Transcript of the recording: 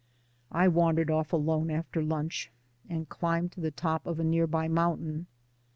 I wandered off alone after lunch and climbed to the top of a near by moun tain.